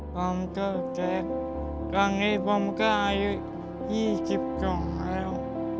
ผมเจอแจ๊คครั้งนี้ผมก็อายุ๒๒แล้ว